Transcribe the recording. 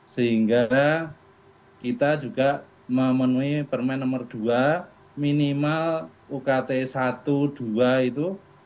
sehingga kita juga memenuhi permen nomor dua minimal ukt satu dua itu